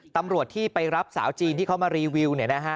ตรที่ไปรับสาวจีนที่เขามารีวิวนะฮะ